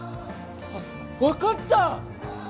あっ、分かった！